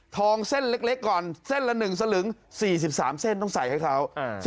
เส้นเล็กก่อนเส้นละ๑สลึง๔๓เส้นต้องใส่ให้เขา